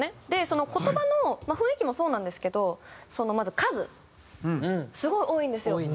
その言葉の雰囲気もそうなんですけどまず数すごい多いんですよ。